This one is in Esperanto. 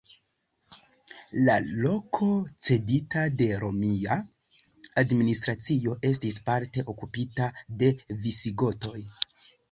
La loko cedita de romia administracio estis parte okupita de Visigotoj.